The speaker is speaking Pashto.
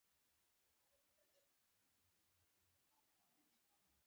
اوبه وڅڅېدې.